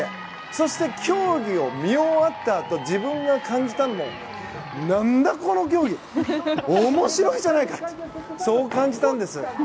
そして競技を見終わったあと自分が感じたのも何だこの競技面白いじゃないか！ってそう感じたんです。